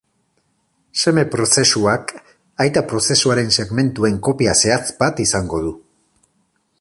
Seme prozesuak aita prozesuaren segmentuen kopia zehatz bat izango du.